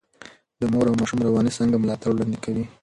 د مور او ماشوم رواني څانګه ملاتړ وړاندې کوي.